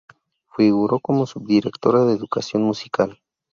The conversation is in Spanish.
Figuró como Subdirectora de Educación Musical.